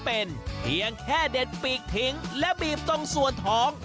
เป็นเพียงแค่เด็ดปีกทิ้งและบีบตรงส่วนท้อง